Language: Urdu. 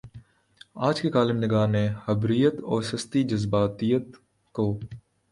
آج کے کالم نگار نے خبریت اورسستی جذباتیت کو